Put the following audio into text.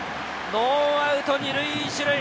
ノーアウト２塁１塁。